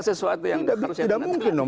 itu tidak mungkin dong